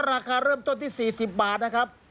ราคาเริ่มต้นที่๔๐บาทนะครับ